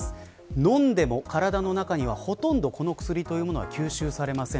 飲んでも体の中にはほとんどこの薬は吸収されません。